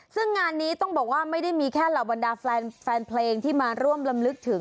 ซึ่งงานนี้ต้องบอกว่าไม่ได้มีแค่เหล่าบรรดาแฟนเพลงที่มาร่วมลำลึกถึง